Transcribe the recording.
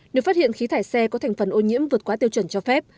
nếu phát hiện khí thải xe có thành phần ô nhiễm vượt quá tiêu chuẩn cho phép